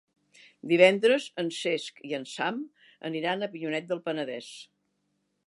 Divendres en Cesc i en Sam aniran a Avinyonet del Penedès.